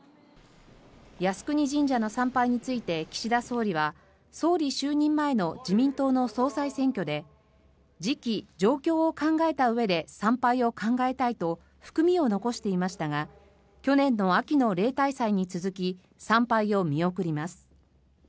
靖国神社の参拝について岸田総理は総理就任前の自民党の総裁選挙で時期・状況を考えたうえで参拝を考えたいと含みを残していましたが去年の秋の例大祭に続き参拝を見送ります。